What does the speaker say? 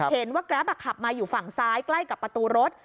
แกรปขับมาอยู่ฝั่งซ้ายใกล้กับประตูรถ